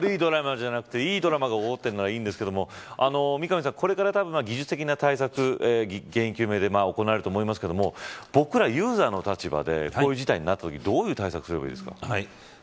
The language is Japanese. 悪いドラマじゃなくていいドラマが起こってるならいいんですけど三上さん、これから技術的な対策原因究明が行われると思いますが僕らユーザーの立場でこういう事態になったときどういう対策すればいいですか。